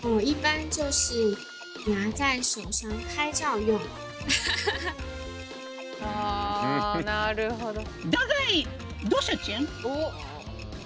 あなるほど。